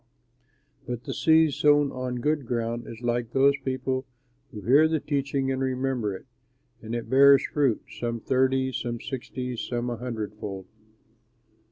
"But the seed sown on good soil is like those people who hear the teaching and remember it, and it bears fruit; some thirty, some sixty, and some a hundredfold.